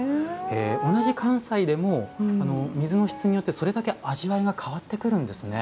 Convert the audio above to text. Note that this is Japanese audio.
同じ関西でも水の質によってそれだけ味わいが変わってくるんですね。